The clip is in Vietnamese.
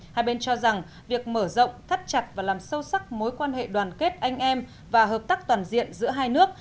hai bên cho rằng việc mở rộng thắt chặt và làm sâu sắc mối quan hệ đoàn kết anh em và hợp tác toàn diện giữa hai nước